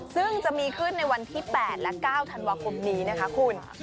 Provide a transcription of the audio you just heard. ซึ่งจะมีขึ้นในวันที่๘และ๙ธันวาคมนี้นะคะคุณ